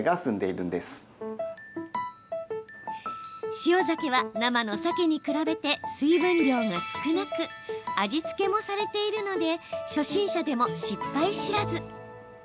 塩ザケは、生のサケに比べて水分量が少なく味付けもされているので初心者でも失敗知らず。